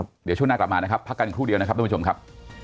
เดี๋ยวช่วงหน้ากลับมานะครับพักกันครู่เดียวนะครับทุกผู้ชมครับ